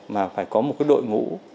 mà phải có một đội ngũ